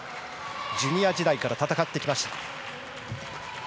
ジュニア時代から戦ってきました。